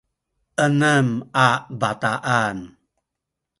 enem a bataan